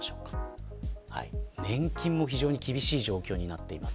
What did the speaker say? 年金も非常に厳しい状況になっています。